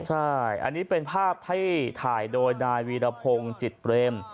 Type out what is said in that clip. ใช่อันนี้เป็นภาพที่ถ่ายโดยนายวีรพงศ์จิตเปรม